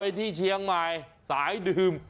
ที่เชียงใหม่สายดื่ม